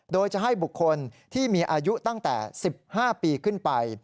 โดยจะให้บุคคลที่มีอายุตั้งแต่๑๕ปีขึ้นไป